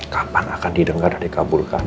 kapan akan didengar dan dikabulkan